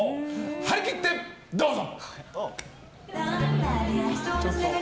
張り切って、どうぞ！